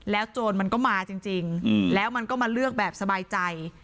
โจรมันก็มาจริงแล้วมันก็มาเลือกแบบสบายใจ